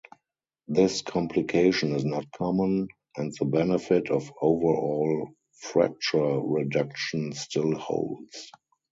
This complication is not common, and the benefit of overall fracture reduction still holds.